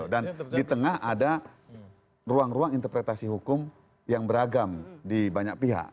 dan di tengah ada ruang ruang interpretasi hukum yang beragam di banyak pihak